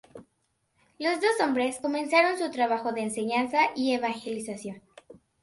Los dos hombres comenzaron su trabajo de enseñanza y evangelización.